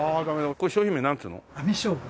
これ商品名なんていうの？